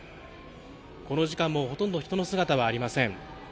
この時間もほとんど人の姿はありません。